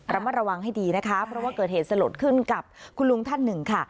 ระมัดระวังให้ดีนะคะเพราะว่าเกิดเหตุสลดขึ้นกับคุณลุงท่านหนึ่งค่ะ